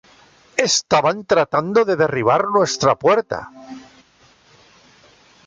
Estaban tratando de derribar nuestra puerta".